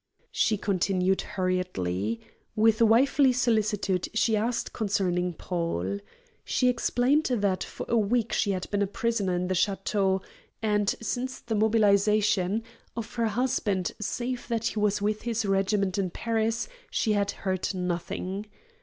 She continued hurriedly. With wifely solicitude she asked concerning Paul. She explained that for a week she had been a prisoner in the château, and, since the mobilization, of her husband save that he was with his regiment in Paris she had heard nothing.